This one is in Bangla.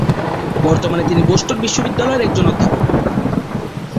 বর্তমানে তিনি বোস্টন বিশ্ববিদ্যালয়ের একজন অধ্যাপক।